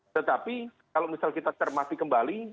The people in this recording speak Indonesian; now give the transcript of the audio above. tetapi kalau misalnya kita termasih kembali